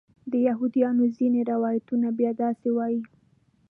د یهودیانو ځینې روایتونه بیا داسې وایي.